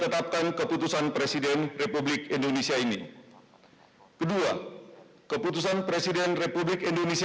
kepala kepolisian negara republik indonesia oleh presiden republik indonesia